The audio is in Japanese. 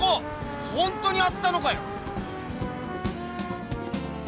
ほんとにあったのかよ！